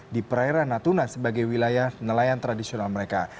di perairan natuna sebagai wilayah nelayan tradisional mereka